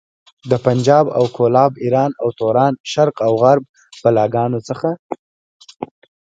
د پنجاب او کولاب، ايران او توران، شرق او غرب بلاګانو څخه.